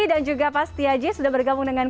dan juga pak setiaji sudah bergabung dengan